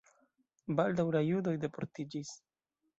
Baldaŭ la judoj deportiĝis.